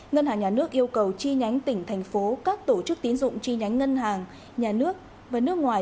ngân hàng nhà nước yêu cầu chi nhánh tỉnh thành phố các tổ chức tín dụng chi nhánh ngân hàng nhà nước và nước ngoài